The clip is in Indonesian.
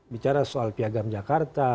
bicara soal piagam jakarta